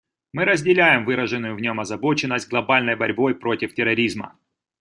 Мы разделяем выраженную в нем озабоченность глобальной борьбой против терроризма.